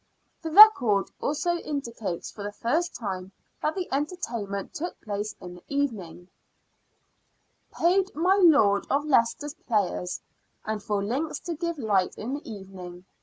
The record also in dicates, for the first time, that the entertainment took place in the evening :—" Paid my Lord of Leicester's players .,. and for links to give light in the evening.